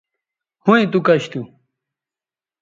ھویں تو کش تھو